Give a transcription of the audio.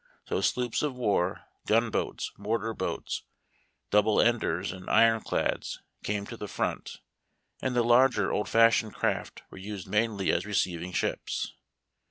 So sloops of war, gun boats, mortar boats, double enders, and iron clads came to the front, and the larger old fashioned craft were used mainly as receiving ships.